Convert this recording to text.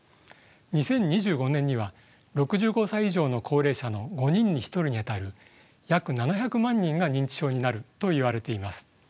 ２０２５年には６５歳以上の高齢者の５人に１人にあたる約７００万人が認知症になるといわれています。